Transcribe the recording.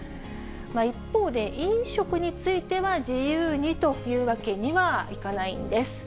一方で、飲食については自由にというわけにはいかないんです。